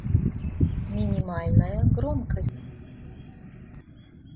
Минимальная громкость